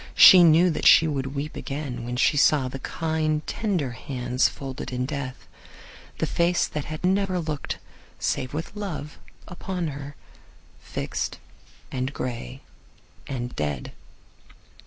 She knew that she would weep again when she saw the kind, tender hands folded in death; the face that had never looked save with love upon her, fixed and gray and dead.